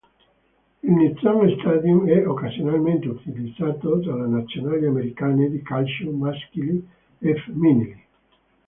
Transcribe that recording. Il Nissan Stadium è occasionalmente utilizzato dalle nazionali americane di calcio maschili e femminili.